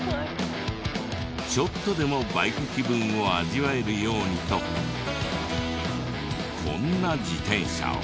ちょっとでもバイク気分を味わえるようにとこんな自転車を。